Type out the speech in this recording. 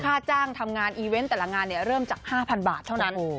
ค่าจ้างทำงานอีเวนต์แต่ละงานเริ่มจาก๕๐๐บาทเท่านั้น